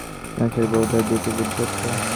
মানুষের বোধ হয় দুটো বুদ্ধি আছে।